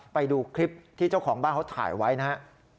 ไปดูคลิปที่เจ้าของบ้านเขาถ่ายไว้นะฮะ